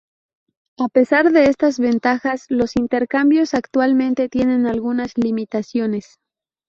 A pesar de estas ventajas, los intercambios actualmente tienen algunas limitaciones.